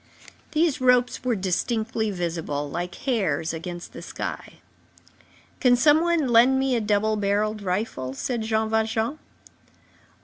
These ropes were distinctly visible, like hairs, against the sky. "Can some one lend me a double barrelled rifle?" said Jean Valjean.